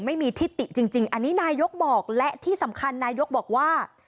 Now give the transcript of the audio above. ไม่มีทิติจริงอันนี้นายกบอกและที่สำคัญนายกบอกว่า